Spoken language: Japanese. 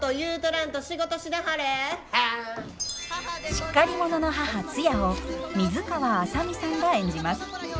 しっかり者の母ツヤを水川あさみさんが演じます。